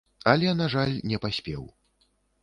Але, на жаль, не паспеў.